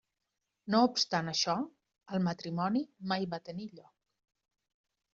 No obstant això, el matrimoni mai va tenir lloc.